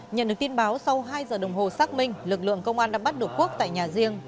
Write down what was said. nhận được tin báo sau hai giờ đồng hồ xác minh lực lượng công an đã bắt được quốc tại nhà riêng